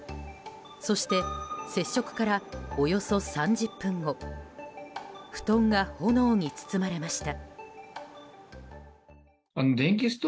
そして、接触からおよそ３０分後布団が炎に包まれました。